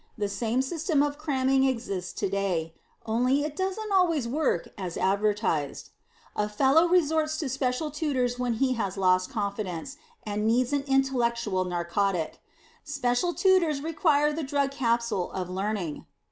The same system of cramming exists today; only it doesn't always work as advertised. A fellow resorts to special tutors when he has lost confidence, and needs an intellectual narcotic. Special tutors represent the drug capsule of learning.